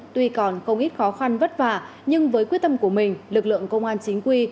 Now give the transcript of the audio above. tuy còn không ít khó khăn vất vả nhưng với quyết tâm của mình lực lượng công an chính quy